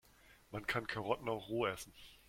Man kann Karotten auch roh essen.